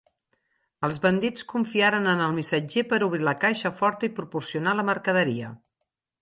Els bandits confiarien en el missatger per obrir la caixa forta i proporcionar la mercaderia.